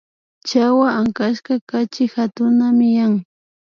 Chawa ankaska kachi yakutami yan